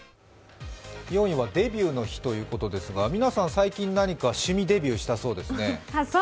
４位はデビューの日ということですが、みなまりあさん、最近何か手芸デビューしたそうですね。